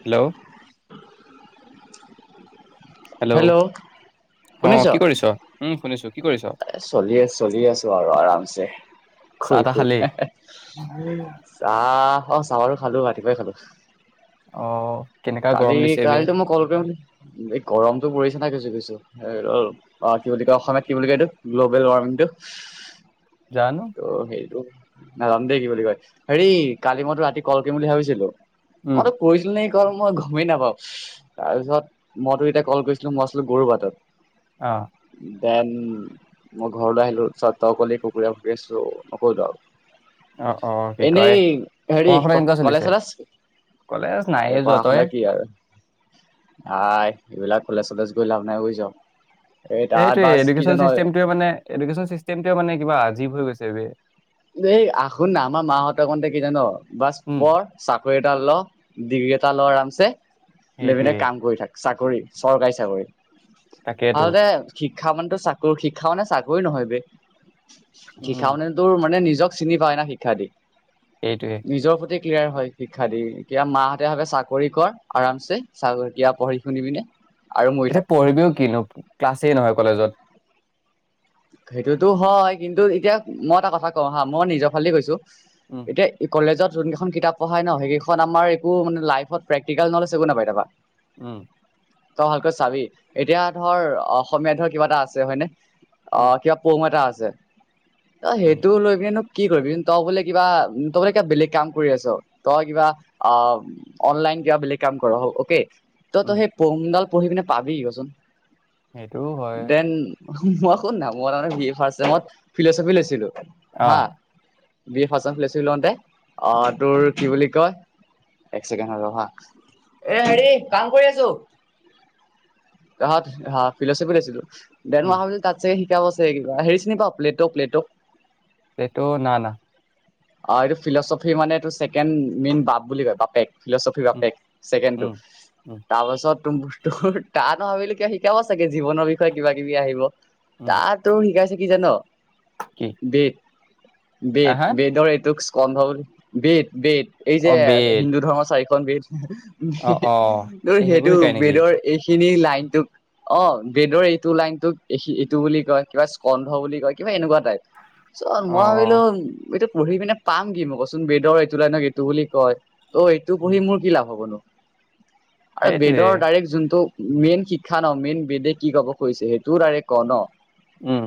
Hello. Hello অ শুনিছ কি কৰিছ উম শুনিছো কি কৰিছ চলি আ চলি আছো আৰু আৰামছে চাহ শুই তাহ শুই খালি চা অ চাহও খালো ৰাতিপুৱাই খালো। অ কেনেকা গৰম কালি দিছে বে কালিতো মই কল কৰিম এই গৰমতটো পৰিছে নাই কৈছো কৈছো। কি বুলি কয় অসমীয়ত কি বুলি কয় এইটো গ্ল'বেল ৱাৰ্মিংটো। জানো ত সেইটো নাজাম দেেই কি বুলি কয় হেৰি কালি মইতো ৰাতি কল কৰিম বুলি ভাবিছিলো। মই ত উম কৈছিলোঁ নে? মই গমেই নাপাওঁ তাৰপিছত মইতো এতিয়া কল কৰিছিলো মই আছিলো গৰু বাটত। অ দেন মই ঘৰলৈ আহিলোঁ ত চ তই অ কলে কুকুৰীয়া পুকুৰী আছোঁ নক'লো আৰু অ অ কি কয় এনেই হেৰি পঢ়া শুনা কেনেকুৱা কলেজ চলিছে কলেজ নাই যোৱা। তই নে কি আৰু আই এইবিলাক কলেজ চলেজ গৈ লাভ নাই বুজিছ। এই তাত সেইটোয়ে বাছ কি এডুকেশ্যন জান চিষ্টেমটোয়ে মানে এডুকেশ্যন চিষ্টেমটোৱে মানে কিবা আজীৱ হৈ গৈছে বেই। এই সোন না আমাৰ মাহতে কি জান, বাচ উম পঢ় চাকৰি টা ল, ডিগ্ৰী এটা ল আৰামছে লৈ পিনে সেইটোৱে কাম কৰি থাক চাক চাকৰি, চৰকাৰী চাকৰি। তাকেতো আৰু দে শিক্ষা মানে চাকৰি শিক্ষা মানে চাকৰি নহয় বে। কি উম খাওঁ মানে তোৰ মানে নিজক চিনি পায় ন শিক্ষা দি। এইটোৱে নিজৰ প্ৰতি ক্লিয়াৰ হয় শিক্ষা দি, তেতিয়া মা হতে ভাবে চাকৰি কৰ, আৰামছে, পঢ়ি শুনি পিনে। আৰু মৰি থাক এতিয়া পঢ়িবিও কিনো ক্লাছেই নহয় কলেজত। সেইটোতো হয় কিন্তু এতিয়া মই এটা কথা কওঁ হা, মই নিজৰ ফালে দি কৈছো উম এতিয়া ই কলেজত যোন কেইখন কিতাপ পঢ়াই ন সেইখন আমাৰ একো মানে লাইফত প্ৰেক্টিকেল নলেজ একো নাপাই তাৰ পৰা। উম তই ভালকৈ চাবি। এতিয়া ধৰ অসমীয়াত ধৰ কিবা এটা আছে হয়নে? উম অ', কিবা পম এটা আছে। যে' অ', উম সেইটোও লৈ কি কৰিবি তই বোলে কিবা তই বোলে কিবা বেলেগ কাম কৰি আছ তই কিবা, অ, অনলাইন কিবা বেলেগ কাম কৰ, অকে! ত তো উম সেই পয়েম দাল পঢ়ি পিনে পাবি কচোন? সেইটোও হয়। হুমৱক কত মই তাৰ মানে বি এ ফাচ চিয়েমৰ ফিল'চফি লৈছিলো। হা। আহ বি এ ফাচ ফিল'চফি লওঁতে উম অ', তোৰ কি বুলি ক, এক ছেকেণ্ড ৰ' হা। এ হেৰি কাম কৰি আছো। তাৰ পিছত ফিলোচফি লৈছিলো। ডেৰ উম মাহ হোৱা পিছত শিকাব আছে কিবা, হেৰি চিনি পা প্লে'ট, প্লে'টক? প্লে'ট, না না। অ', এইটো ফিলচফি মানে এইটো ছেকেণ্ড মেইন বাপ বুলি কয়, বাপেক। ফিলচফিৰ উম বাপেক ছেকেডটো উম উম তাৰপাছত তু তোৰ তানভাবিলো কিয় শিকাব চাগে জীৱনৰ বিষয়ে কিবা কিবি আহিব। উম তাতো হিকাইআছে কিজা'ন কি বেদ হা বেদ হা বেদৰ এইটো ক ভাব বেট বেট। এই অ যে বেদ হিন্দু ধৰ্মৰ চাৰি এখন বে অ অ তোৰ এই সেইবোৰ সেইটো শিকাই নেকি বেদৰ এই খিনি লাইনটোক অ বেদৰ এইটো লাইনতোকখিন তোবুলি কয় কিবা স্কন্ধ বুলি কয় কিবা এনেকুৱা টাইপ। চ মই অ অ ভাবিলো এইটো পঢ়ি পিনে পাম কি মোক কচোন বেদৰ এইটো লাই নক এইটো বুলি কয়। ত' এইটো পঢ়ি মোৰ কি লাভ হ'বনো? আৰু সেইটোৱে বেদৰ তাৰিখ যোনটো, মেইন শিক্ষা ন মেইন বেদে কি কব খুজিছে, সেইটোও ডৰেক'ত। ক' ন। উম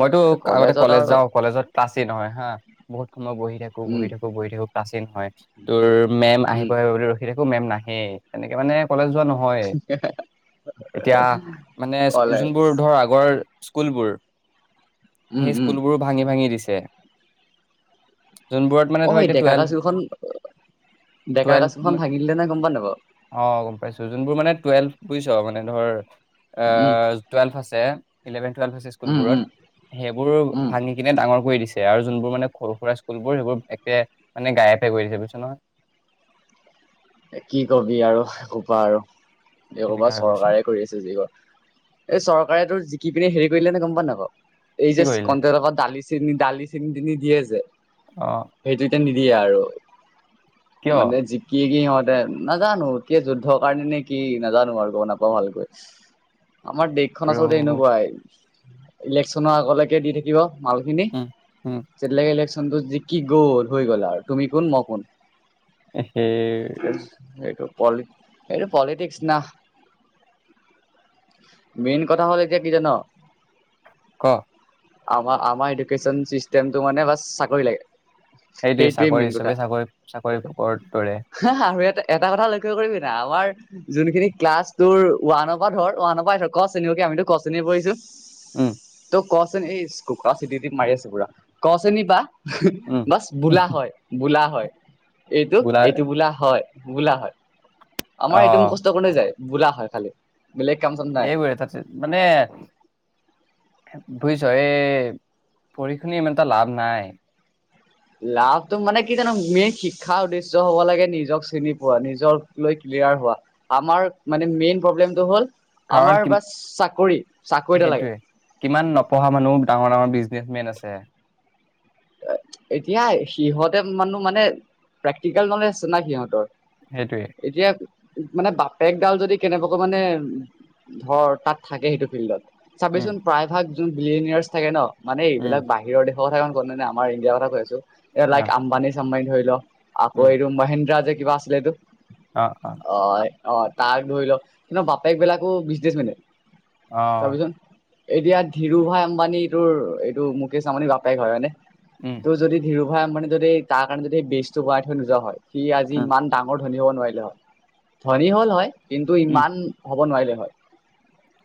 মইতো আগতে কলেজত কলেজ আৰু যাওঁ কলেজত ক্লাছেই নহয় হা বহুত সময় বহি থাকো উম বহি থাকো বহি থাকো। ক্লাছেই তোৰ মেম উম আহিব আহিব বুলি ৰখি থাকো। মেম নাহেই তেনেকে মানে কলেজ যোৱা নহয় এতিয়া মানে কলেজ যোনবোৰ ধৰ আগৰ, স্কুলবোৰ। উম সেই উম স্কুলবোৰো ভাঙি ভাঙি দিছে। টে যোনবোৰত মানে অ ধৰ এই এ ডেকা টোৱেলভ কাচুখন ডেকা টোৱেলভ কাচুখন ভাঙি দিলে নহয় গম পা নাপাও অ গম পাইছোঁ যোনবোৰ মানে টোৱেলভ বুইছ। এনেধৰ উম আহ টুৱেলভ আছে, ইলেভেন টুৱেলভ আছে। উম স্কুলবোৰত উম সেইবোৰ উম ভাঙি কিনে ডাঙৰ কৰি দিছিল। আৰু যোনবোৰ মানে সৰু সুৰা স্কুলবোৰ সেইবোৰ একে মানে গায়েপে কৰি দিছে বুজিছ নহয়। কি কবি আৰু পা আৰু এই ক'বা সেনেকা হৈ গৈছে চৰকাৰে কৰি আছে যি এই চৰকাৰেটো কি পিনে হেৰি কৰি দিলে গম পাওঁ নাপাওঁ। এই কি যে কৰিলে কণ্ট ঘৰত ডালি, চেনি দালি চেনি তিনি দিয়ে যে অ সেইটোতে নি দিয়ে আৰু কিয় মানে জিকি কি হয়? নাজানোঁ কিয় যুদ্ধৰ কাৰণে নে কি নাজানোঁ আৰু গম নাপাওঁ ভালকৈ। আমাৰ দেশখন প্ৰ আচলতে এনেকুৱাই। ইলেকচনৰ আগলৈকে দি থাকিব। মালখিনি, উম, উম, যেতিয়ালৈকে ইলেকচন সন্তোষ জিকি গ'ল, হৈ গ'ল আৰু তুমি কোন! মই কোন? এসে [inaudible] এইটো প'লিটিক্স না, মেইন কথা হ'ল এতিয়া কি জান'? ক' আমাৰ-আমাৰ এডুকেচন চিষ্টেমটো মানে বাচ! চাকৰি লাগে। সেইটোৱে চাকৰি মেইন কথা। হিচাবে [unintelligible] চাকৰি-চাকৰি কৰা দৰে। আৰু এটা কথা লক্ষ্য কৰিবি না! আমাৰ যোনখিনি ক্লাছ টুৰ ওৱানৰ পৰা ধৰ, ওৱানৰ পৰাই ধৰ ক শ্ৰেণীলৈকে আমিতো ক শ্ৰেণীহে পঢ়িছোঁ। উম। ক'চোন এইছ কোকা চিটি টিপ মাৰি আছে পুৰা ক শ্ৰেণী বা উম, বছ বোলা হয়, বোলা হয়। [inaudible] এইটো বোলা এই হয়, বোলা হয়। আমাৰ অ এইটো মুখস্থ কৰোতে যায়। বোলা হয় খালি। বেলেগ কাম চাম নাই এইবোৰে ছাকচেড মানে বুজিছ! এই পঢ়ি শুনি ইমান এটা লাভ নাই। লাভটো মানে কি জান' মেইন শিক্ষা উদেশ্য হ'ব লাগে নিজক চিনি পোৱা, নিজক লৈ ক্লিয়াৰ হোৱা, আমাৰ মানে মেইন প্ৰব্লেমটো হ'ল কাৰণ আমাৰ কিম, বাছ চাকৰি চাকৰি এটা লাগে সেইটোয়ে কিমান নপঢ়া মানুহ ডাঙৰ-ডাঙৰ বিজনেচমেন আছে। এতিয়া সিহঁতে মানুহ মানে প্ৰেক্টিকেল ন'লেজ নাই সিহঁতৰ। সেইটোৱে। এতিয়া মানে বাপেকডাল যদি কেনেবাকৈ মানে ধৰ, তাত থাকে সেইটো ফিল্ডত। উম, চাবিচোন প্ৰায় ভাগ বিলিনিয়ৰছ থাকে ন'। মানে উম, এইবিলাক বাহিৰৰ দেশ ক [inaudible] গভমেন্তে আমাৰ ইণ্ডিয়াৰ কথা কৈ আছে এ লাইক অ', আম্বানি চাম্বানি ধৰি ল আকৌ উম। এইটো মহেন্দ্ৰা দেক কিবা আছিলে এইটো অ অ তাক ধৰি লওক কিন্তু বাপেক বিলাকো বিচ দিছ মিলে আহ এতিয়া ধিৰো ভাই আম্বানীটোৰ এইটো মুকেশ আম্বানীৰ বাপেক হয় হয়নে উম, তোৰ যদি ধীৰু ভাই আম্বানী যদি তাৰ কাৰণে যদি বেছ টো কৰা হৈছে নোযোৱা হয় সি আজি উম, ইমান ডাঙৰ ধনী হ'ব নোৱাৰিলে হয় ধনী হ'ল হয় কিন্তু উম। ইমান ক'ব নোৱাৰিলে হয়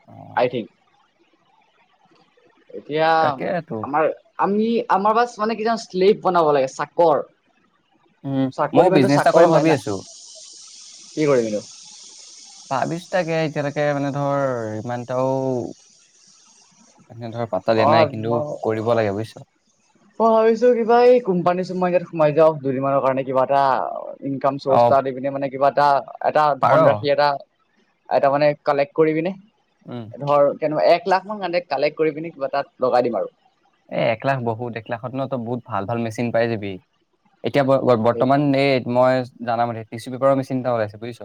অ', আই থিংক এতিয়া তাকেতো। আমাৰ। আমি আমাৰ বাছ মানে কিছমান শ্লেভ বনাব লাগে চাকৰ। উ, চাকৰি ময়ও মানেতো বিজনেছ এটা চাকৰ কৰিম হয় ভাবি না আছো কি কৰিবিনো। বাবিশটাকে এতিয়ালৈকে মানে ধৰ ইমানটাও। এনে ধৰ পাতলিয় অ নাই কিন্তু মই কৰিব লাগে বুজিছ। মই ভাবিছো কিবা এই কোম্পানী চোম্পানী ইাত সোমাই যাও দুদিনমানৰ কাৰণে কিবা এটা। ইনকাম চ'ৰ্চ এটা অ', দি পিনে মানে কিবা। ত। এটা পাৰ। ধনৰাশি এটা। এটাৰ মানে কালেক্ট কৰিবিনে। উম, ধৰ। তেনেকুৱা এক লাখ মানে কালেক কৰি পিনি কিবা তাত লগাই দিম আৰু এ এক লাখ বহুত এক লাখত ন ত বহুত ভাল ভাল মেচিন পাই যিবি। এতিয়া সেই বৰ্তমান এই। মই জানামতেি টিছ্যু পেপাৰৰ মি চিন্ত লাই বুজছ।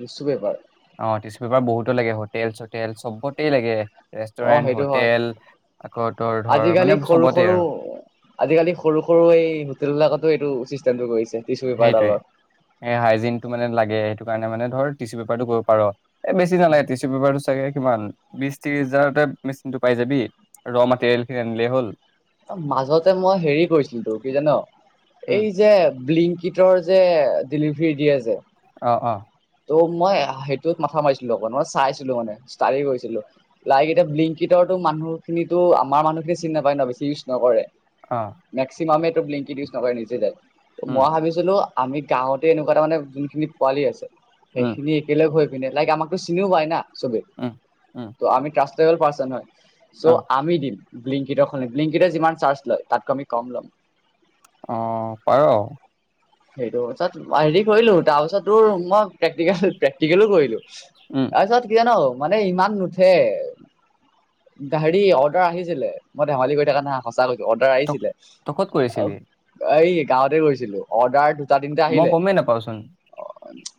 কিছু বেপাৰ। অটিচু পেপাৰ বহুত লাগে হোটেল চোটেল চবতেই লাগে। অ ৰেষ্টুৰেণ্ট সেইটো হয় হোটেল আকৌ। তোৰ ধৰ মানে আজিকালি সৰু চবতে সৰু, আৰু আজিকালি সৰু সৰু এই হোটেল বিলাকতো এইটো। কৰিছে। টিচু সেইটোৱে পেপাৰডালৰ এই, হাইজিনটো মানে লাগে। সটো কাৰণে মানে ধৰ টিু পেপাৰটো কৰিব পাৰ আৰু। এ বেছি নালাগেতিছু বোৰটো। চাগে কিমান বিশ ত্ৰিশ হাজাৰতে মেচিন টো পাই যাবি ৰ মোটেৰিয়েল খিনি আনিলেই হ'ল। মাজতে মই হেৰি কৰিছিলো তো কি জন, উম এই বিলিং। কীটৰ যে ডেলিভাৰী দিয়ে যে। আহ অ। ত' মই সেইটোত মাথা মাৰিছিলো অক মই চাইছিলো মানে ষ্টাডি কৰিছিলো লাইক এতিয়া বিংকটো মানুহখিনিতো আমাৰ মানুহখিনি চিনি নাপায় ন বেছি। ইউজ নকৰে। অ মেক্সিমামে। লিংকি দিউজ নাপয় নিজে যায়। উম মই ভাবিছিলো। আমি গাঁৱতে এনেকুৱা তাৰমানে যোনখিনি পোৱালি আছে। উম সেইখিনি একেলগ হৈ। লাইক আাকো চি হব না। চবে উম উম আমি ত্ৰাছ। [unintelligible] পাৰ্চেট হয় অ চ' আমি দিম। ব্লিংকিতত বিলিংকিত্তত যিমান চাৰ্জ লয় আমি তাতকে কম ল'ম। অ' পাৰ। সেইটোত হেৰি কৰিলো তাৰ পাছত তোৰ মই প্ৰেক্টিকেল প্ৰেক্টিকেলো কৰিলো। উম তাৰপাছত কি জান। মানে ইমান নুঠে হেৰি অৰ্ডাৰ আহিছিলে মই ধেমালি কৰি থাকা নহ সঁচা কৈ। অৰ্ডাৰ তক আহিছিলে তই ক'ত আহ। কৰিছিলি গাঁৱতে কৰিছিলোঁ।। অৰ্ডাৰ মই গমেই নাপাওঁ চোট।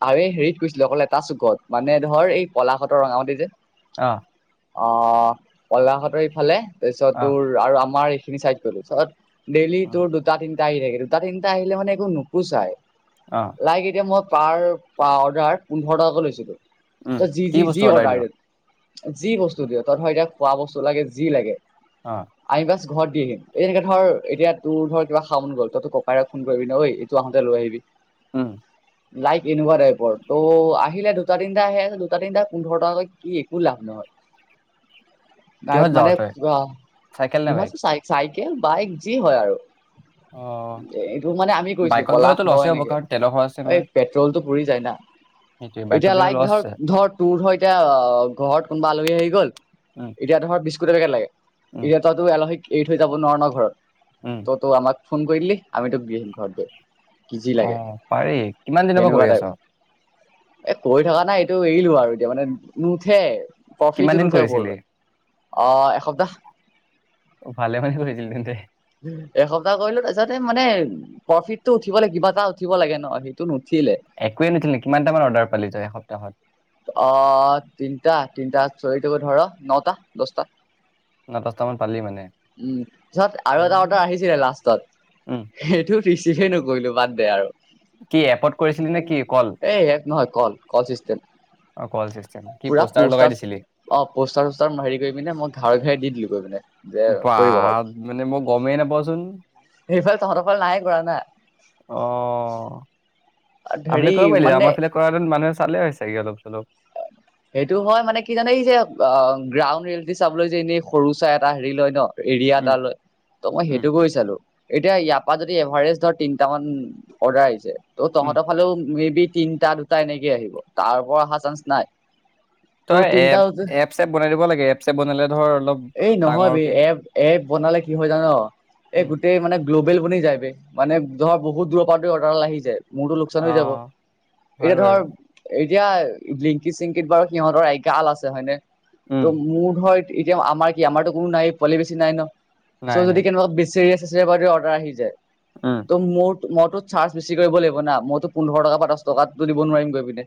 আৰু এই হেৰিত কৈছিলো অকলে এটা চুকত মানে ধৰ এই পলাঘতৰ ৰঙামতি যে। অ ' অ'পলাহতৰ ইফালে। তাৰপিছত অ তোৰ আৰু আমাৰ খিনি চাইদ কৰিছত উম ডেলিটো দুটা দিন। আহি থাকে দুটা তিনিটা আহিলে মানে। নুপোচায়। অ লাইক এতিয়া মই। পাৰ অৰ্ডাৰ পোন্ধৰ টকাকৈ লৈছিলোঁ। উম ত জি- কি জি- বস্তু জি অৰ্ডাৰ দিয়। যি বস্তু দিয় তই ধৰ এতিয়া খোৱা বস্তু লাগে যি লাগে। অ আমি বাছ ঘৰত দি আহিম এই তেনেকে ধৰ এতিয়া তোৰ ধৰ কিবা খা মন গ'ল তই তোৰ ককাইক ফোন কৰিবি ন ঐ এইটো আহোতে লৈ আহিবি। অ' লাইক এনেকুৱা টাইপৰ ত' আহিলে দুটা তিনিটা আহে আছে দুটা তিনিটা পোন্ধৰ টকৈ কি একো লাভ নহয়। কিহত যাৱ মানে তই অ' চাইকেল নে বিহো চ বাইক? চাই বাইক যি হয় আৰু অ'। এইটো মানে আমি কৰিছো। বাইকত পলাশ গ'লেতো মই লছে হ'ব এনেকে কাৰণ তেলৰ খৰচ আছে এই নহয়, পেট্ৰলটো পুৰি যায় না সেইটোৱে বাইকত এতিয়া গ'লে লাইক লছ ধৰ আছে। ধৰ তোৰ ধৰ এতিয়া ঘৰত কোনোবা আলহী আহি গল উম, এতিয়া ধৰ। বিস্কুট এপেকেট লাগে। উম, এয়া ততো এলহিক এৰি থৈ যাব নোৱাৰা ন ঘৰত উম, ত তো আমাক ফোন কৰিলি দিলি আমি তোক দি আহিম ঘৰত গৈ কি যি লাগে অ' পাৰি কিমান দিনৰ পৰা সেনেকুৱা কৰি আছ? টাইপ এ কৈ থকা নাই এইটো এৰিলো আৰু এতিয়া মানে নুঠে কিমান প্ৰফিটো দিন নুঠে বোৰ কৰিছিলি? আহ এসপ্তাহ অ, ভালে মানে কৰিছিলি তেন্তে, এসপ্তাহ কৰিলো তাৰছতে মানে কফি উঠিব লাগিবলে কিবা এটা উঠিব লাগে ন সেইটো নুঠ একোৱে নুথিলে কিমান টাইমত অৰ্ডাৰ পালি য এত এ হয় অ তিনিটা তিনিটা চল থাক ধৰ নটা দহটাত ন দহটা মান পালি মানে? উ পিছত আৰু এটা অৰ্ডাৰ উম। আহিছিলে লাষ্টত উম, সেইটো ৰিচিভে নকৰিলো বাদ দে আৰু কি এপট কৰিছিলি নে কি কল এই এক নহয় কল কল চিষ্টেণ্ অ' কল চিষ্টেম কি পুৰা পোষ্টাৰ লগাই পষ্টাৰ দিছিলি? অ পষ্টাৰ চষ্টাৰ হেৰি কৰি পিনে মই ধাৰ ঘে দি দিলোগৈ মানে বাহ মানে মই গমেই নাপাওঁচোন সেইফালে তহঁতৰ ফালে নাই কৰা না অ'। আমাৰ ফালে হেৰি কৰিব পাৰিলি, মানে আমাৰ ফালে কৰাহেঁতেন মানুহে চালে হয় চাগে অলপ চলপ। সেইটো হয় মানে কি জানে এই যে অ'। গ্ৰাউণ্ড ৰিয়েলিটি চাবলৈ যে এনেই সৰু চৰাই এটা হেৰি লয় ন'। এৰিয়া এটা উম, লয় ত মই উম, সেইটো কৰি চালো। এতিয়া ইয়াৰ পৰা যদি এভাৰেজ ধৰ তিনিটামান অৰ্ডাৰ আহিছে। ত' উম। তহঁতৰ ফালেও মে বি তিনটা দুটা এনেকে আহিব, তাৰ পৰা অহা চান্স নাই। ত' তই তিনিটা এপ এপ চেপ বনাই দিব লাগে এপ চেপ বনালে ধৰ অলপ এই নহয় বে ডাঙৰকে এ এপ বনালে কি হয় জান এই উম গোটেই মানে গ্ল' বেল বনি যায় মানে ধৰ বহুত দূৰ পৰা অৰ্ডাৰাল আহি যায়। মূৰতো লোকচান হৈ যাব অ' হয় এতিয়া বাৰু। ধৰ এতিয়া লিংকি চিংকিত বাৰু সিহঁতৰ এগাল আছে হয়নে। ত' উম মুড হয়। এতিয়া আমাৰ কি আমাৰতো কোনো নাই পোৱালি বেছি নাই ন'। নাই চ' যদি নাই কেনেকুৱা বিচ বাৰে অৰ্ডাৰ আহি যায়। উম ত' মোৰ মোৰ টোত চাৰ্জ বেছ কৰিব লাগিব। [unintelligible] মইতো পোন্ধৰ টকা দছ টকাতো দিব নোৱাৰিম গৈ পিনে।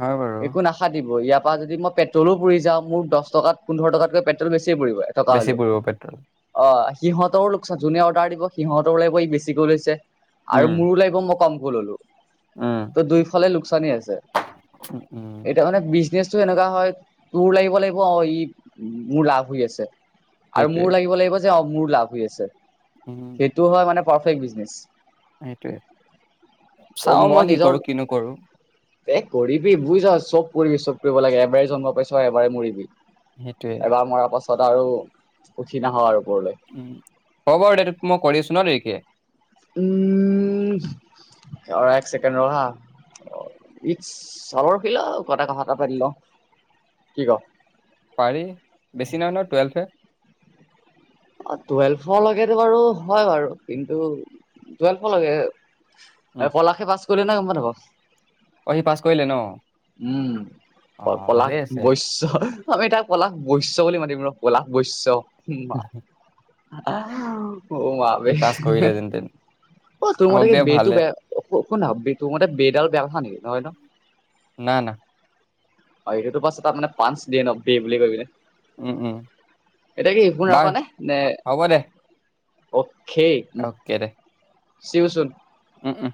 হয় বাৰু একো নাশা দিব, ইয়াত কোৱা যদি মই পেট্ৰ'ল ও পুৰি যাওঁ মোৰ দচ টকা পোন্ধৰটকাতকৈ পেট্ৰ'ল বেছি [unintelligible] থকা বেছি হলেওঁ পৰিব পেট্ৰল অ'। সিহঁতৰ লোকচান জোনে অৰ্ডাৰ দিব সিহঁতৰ পৰাও বেছিকৈ লৈছে আৰু উম মোৰো লাগিব মোক কমকৈ ল'লো। উম ত' দুইফালে লোকচানয়েই আছে, উম উম এতিয়া মানে বিজ কেচটো এনেকুৱা হয় তোৰ লিব লাগিব ই মোৰ লাভ হৈ আছে। আৰু সেইটোৱে মোৰ লাগিব লাগিব যে অ', মোৰ লাভ হৈ আছে। উম সেইটো হয় মানে পাৰ্ফেক্ট বিজনেছ। সেইটোৱে। চাওঁ মই কি কৰো, কি নকৰো। এ কৰিবি বুজিছ চব কৰিবি, চব কৰিব লাগে এবাৰ জন্ম পাইছ, এবাৰে মৰিবি। সেইটোৱে। এবাৰ মৰাৰ পাছত আৰু উঠি নাঁহও আৰু ওপৰলৈ উ, হ'ব বাৰু দে, মই কৰি আছো ন দেৰি কে? উম, এক চেকেণ্ড ৰ হা, ইটচ্ চাবৰ খিলা কটা কথা এটা পাতি লওঁ, কি ক? পাৰি, বেছি নহয় ন লোৱেলভ হে। অ', টুৱেলভৰলৈকেতো বাৰু হয় বাৰু, কিন্তু টুৱেলভৰলৈকে উম পলাশে পাছ কলে নে গম পাওঁ নে নাপাওঁ? অ' সি পাছ কৰিলে ন উম, অ' পলাশ ভালেই আছে বৈশ্য, আমি তাক পলাশ বৈশ্য বুলি মাতিম। পলাশ বৈশ্য। হোম মা অ' [unintelligible] মা সি বে পাছ কৰিলে যেনতেন অ' তোৰ মতে হওক কি দে বেটো ভালে বেয়া, শু না তোৰ মতে বেইডাল বেয়া হয় নেকি? নহয় ন। না না। অ', এইটোতো বছ তাত মানে পাঁচ দিয়ে ন বেই বুলি কয় পিনে। উম উম এতিয়া কি একো নোখোৱা বাৰু নে হ'ব দে অক খেই চিওচুন উম, উম।